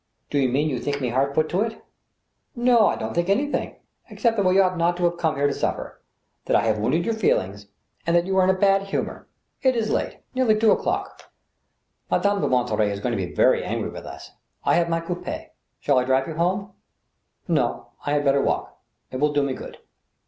" Do you mean you think me hard put to it ?"" No, I don't think anything, except that we ought not to have come here to supper, that I have wounded your feelings, and that 32 THE: STEEL HAMMER. you are in a bad humor. It is late, ... nearly two o'clock. Ma dame de Monterey is going to be very angry with us ... I have my coupL Shall I drive you home ?"" No— I had rather walk. It will do me good."